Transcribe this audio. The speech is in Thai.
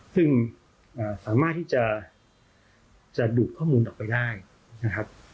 ซึ่งสามารถที่จะดูดข้อมูลออกไปได้นะครับ